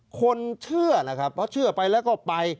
คนเชื่อแหละครับเพราะเชื่อไปแล้วก็ไป